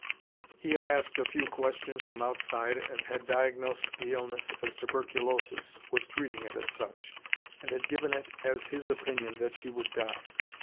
He had asked a few questions from outside and had diagnosed the illness as tuberculosis, was treating it as such, and had given it as his opinion that she would die.